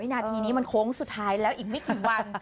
นาทีนี้มันโค้งสุดท้ายแล้วอีกไม่กี่วัน